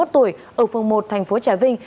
ba mươi một tuổi ở phường một thành phố trà vinh